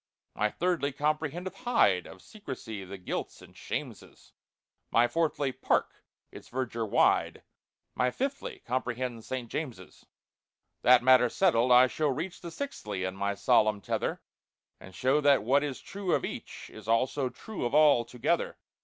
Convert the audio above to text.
"My 'Thirdly' comprehendeth 'Hyde,' Of Secresy the guilts and shameses; My 'Fourthly'—'Park'—its verdure wide— My 'Fifthly' comprehends 'St. James's.' "That matter settled, I shall reach The 'Sixthly' in my solemn tether, And show that what is true of each, Is also true of all, together.